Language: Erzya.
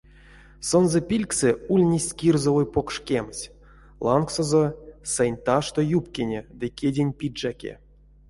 Сонзэ пильгсэ ульнесть кирзовой покш кемть, лангсонзо сэнь ташто юбкине ды кедень пиджакке.